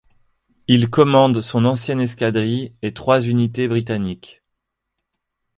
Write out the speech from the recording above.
Il commande son ancienne escadrille et trois unités britanniques.